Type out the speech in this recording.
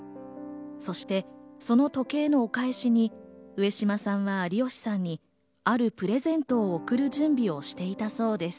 そしてその時計のお返しに上島さんは有吉さんにあるプレゼントを贈る準備をしていたそうです。